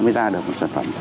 mới ra được một sản phẩm